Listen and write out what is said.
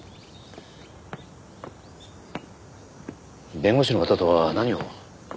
弁護士の方とは何を？